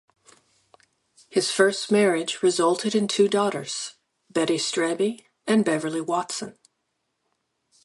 His first marriage resulted in two daughters, Betty Strebe and Beverly Watson.